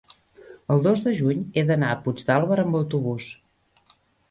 el dos de juny he d'anar a Puigdàlber amb autobús.